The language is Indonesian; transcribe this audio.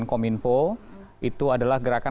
kominfo itu adalah gerakan